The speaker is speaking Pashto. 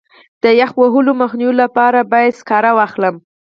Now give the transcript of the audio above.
د یخ وهلو مخنیوي لپاره باید سکاره واخلم.